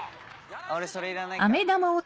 俺それいらないからね。